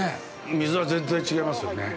水が全然違いますよね。